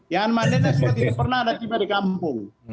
yang madetnya sudah tidak pernah ada tiba di kampung